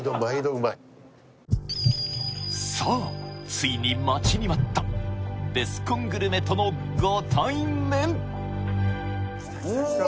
ついに待ちに待ったベスコングルメとのご対面きたきたきた